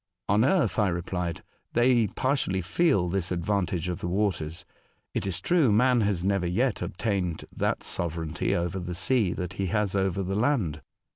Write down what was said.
'' On earth," I replied, " they partially feel this advantage of the waters. It is true, man has never yet obtained that sovereignty over the sea that he has over the land.